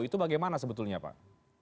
itu bagaimana sebetulnya pak